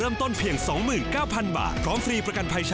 อุ้ยดูเกมก็ถึงตบนี้แล้วนี่นะ